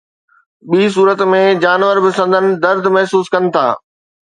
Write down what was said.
ٻي صورت ۾ جانور به سندن درد محسوس ڪن ٿا.